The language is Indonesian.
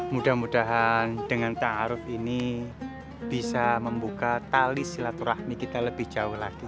mudah mudahan dengan ta'aruf ini bisa membuka tali silaturahmi kita lebih jauh lagi